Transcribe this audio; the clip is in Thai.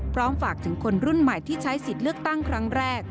พร้อมฝากถึงคนรุ่นใหม่ที่ใช้สิทธิ์เลือกตั้งครั้งแรก